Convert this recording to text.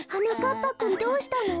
ぱくんどうしたの？